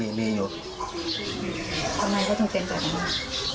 เป็นพี่เป็นน้องกันโตมาด้วยกันตั้งแต่แล้ว